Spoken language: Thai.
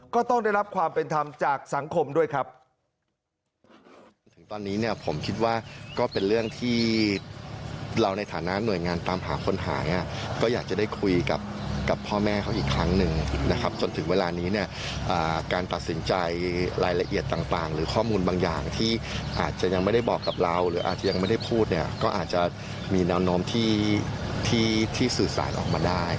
ก็ต้องได้รับความเป็นธรรมจากสังคมด้วยครับ